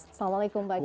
assalamualaikum pak kiai